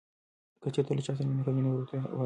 که چېرې ته له چا سره مینه کوې نو ورته ووایه.